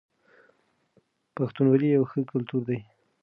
پښتونولي يو ښه کلتور دی.